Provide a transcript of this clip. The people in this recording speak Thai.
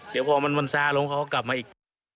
เดี๋ยวพอมันซาลงเขาก็กลับมาอีก